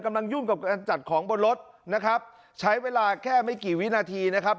ยุ่งกับการจัดของบนรถนะครับใช้เวลาแค่ไม่กี่วินาทีนะครับ